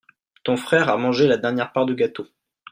tont frère a mangé la dernière part de gâteau.